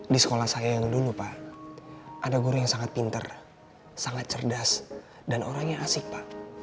di sekolah saya yang dulu pak ada guru yang sangat pinter sangat cerdas dan orangnya asik pak